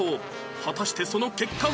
果たしてその結果は？